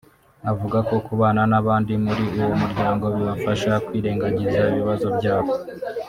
Avuga ko kubana n’abandi muri uwo muryango bibafasha kwirengagiza ibibazo byabo